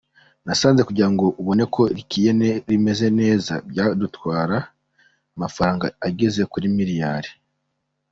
Nasanze kugira ngo ubone ko rikeye rimeze neza byadutwara amafaranga ageze kuri miriyari.